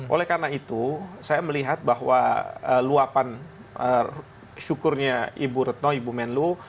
oleh karena itu saya melihat bahwa luapan syukurnya ibu retno ibu menlu